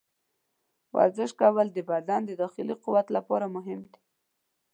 ورزش کول د بدن د داخلي قوت لپاره مهم دي.